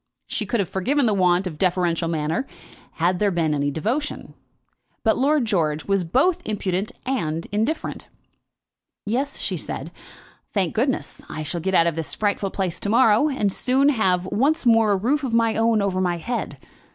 She could have forgiven the want of deferential manner, had there been any devotion; but Lord George was both impudent and indifferent. "Yes," she said. "Thank goodness, I shall get out of this frightful place to morrow, and soon have once more a roof of my own over my head.